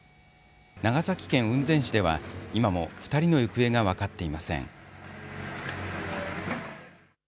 長崎県雲仙市では今も２人の行方が分かっていません。